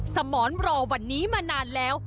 สมรรอวันนี้มานานแล้ว